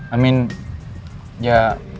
i mean ya